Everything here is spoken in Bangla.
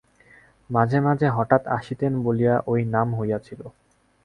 মাঝে মাঝে হঠাৎ আসিতেন বলিয়া ঐ নাম হইয়াছিল।